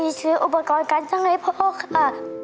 ไปซื้ออุปกรณ์ไปสร้างเรียบพอครับ